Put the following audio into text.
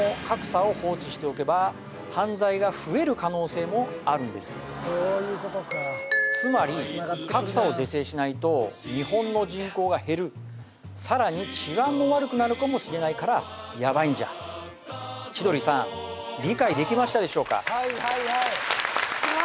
このようにあるんですつまり格差を是正しないと日本の人口が減るさらに治安も悪くなるかもしれないからヤバイんじゃ千鳥さん理解できましたでしょうか？